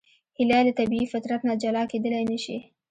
هیلۍ له طبیعي فطرت نه جلا کېدلی نشي